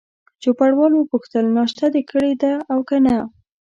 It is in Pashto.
چوپړوال وپوښتل: ناشته دي کړې ده او که نه؟